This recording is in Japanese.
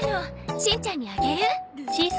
しんちゃんにあげる。